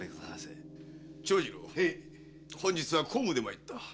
長次郎本日は公務で参った。